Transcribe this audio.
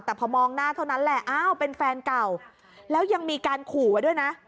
แต่พอมองหน้าเท่านั้นแหละอ้าวเป็นแฟนเก่าแล้วยังมีการขู่ไว้ด้วยนะ